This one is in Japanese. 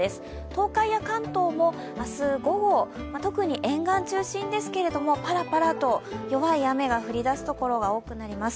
東海や関東も明日午後、特に沿岸中心ですけれどもパラパラと弱い雨が降りだすところが多くなってきます。